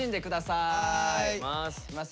いきます